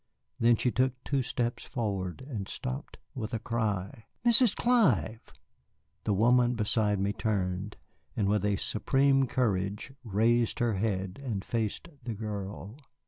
Then she took two steps forward and stopped with a cry. "Mrs. Clive!" The woman beside me turned, and with a supreme courage raised her head and faced the girl.